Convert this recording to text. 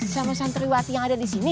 sama santriwati yang ada di sini